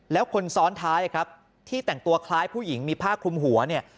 แล้วคนซ้อนท้ายครับที่แต่งตัวคล้ายผู้หญิงมีผ้าคลุมหัวเนี่ย